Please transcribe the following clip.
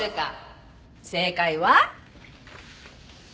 正解は。